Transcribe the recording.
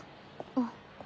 あっ。